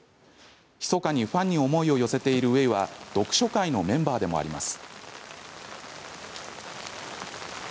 ひそかにファンに思いを寄せているウェイは読書会のメンバーでもあります。